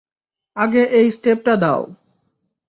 আগে এই স্টেপটা দাও।